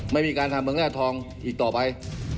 ไม่มีการทำเมืองหน้าทองอีกต่อไป